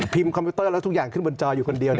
คอมพิวเตอร์แล้วทุกอย่างขึ้นบนจออยู่คนเดียว